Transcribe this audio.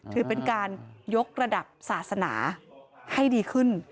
ถือเป็นการยกระดับศาสนาให้ดีขึ้น